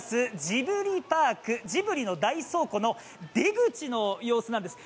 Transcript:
ジブリパーク、ジブリの大倉庫の出口の様子なんです。